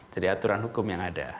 jadi aturan hukum yang ada